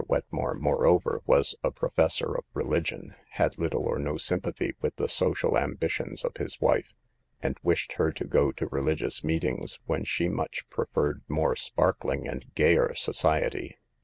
Wetmore, moreover, was a professor of religion, had little or no sympathy with the social ambitions of his wife, and wished her to go to religious meetings when she much preferred more sparkling and gayer society.